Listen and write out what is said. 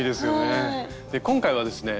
で今回はですね